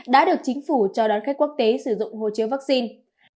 đã được chính phủ cho đón khách quốc tế sử dụng hộ chiếu vaccine